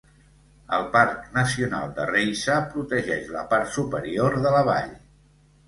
El Parc Nacional de Reisa protegeix la part superior de la vall.